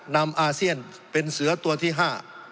นำอาเซียนเป็นเสือตัวที่ห้า